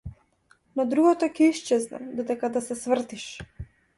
Но другото ќе исчезне додека да се свртиш.